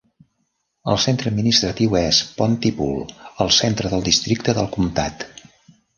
El centre administratiu és Pontypool, al centre del districte del comtat.